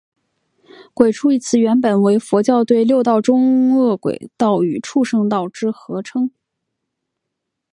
鬼畜一词原本为佛教对六道中饿鬼道与畜生道之合称。